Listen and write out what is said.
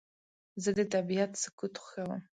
زه د طبیعت سکوت خوښوم.